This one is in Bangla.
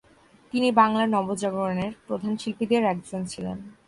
তিনি বাংলার নবজাগরণের প্রধান শিল্পীদের একজন ছিলেন।